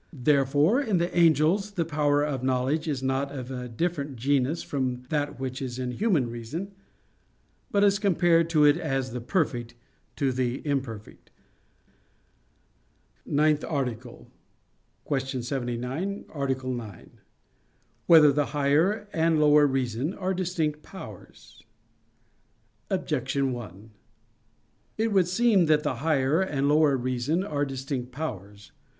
Therefore in the angels the power of knowledge is not of a different genus from that which is in the human reason, but is compared to it as the perfect to the imperfect. _______________________ NINTH ARTICLE [I, Q. 79, Art. 9] Whether the Higher and Lower Reason Are Distinct Powers? Objection 1: It would seem that the higher and lower reason are distinct powers.